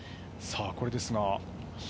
さぁ、これですが。